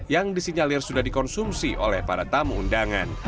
yang disinyalir sudah dikonsumsi oleh para tamu undangan